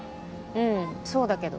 うんそうだけど。